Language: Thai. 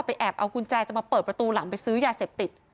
แอบเอากุญแจจะมาเปิดประตูหลังไปซื้อยาเสพติด